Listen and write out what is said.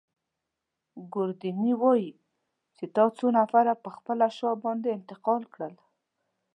ګوردیني وايي چي تا څو نفره پر خپله شا باندې انتقال کړل.